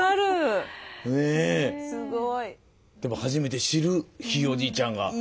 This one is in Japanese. でも初めて知るひいおじいちゃんが。